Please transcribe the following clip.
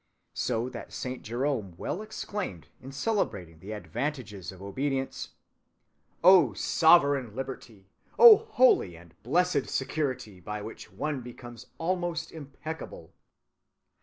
So that Saint Jerome well exclaimed, in celebrating the advantages of obedience, 'Oh, sovereign liberty! Oh, holy and blessed security by which one becomes almost impeccable!